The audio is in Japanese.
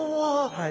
はい。